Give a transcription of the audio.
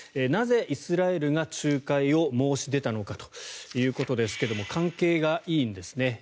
なぜイスラエルが仲介を申し出たのかということですが関係がいいんですね。